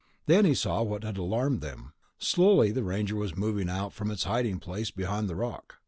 Then he saw what had alarmed them. Slowly, the Ranger was moving out from its hiding place behind the rock.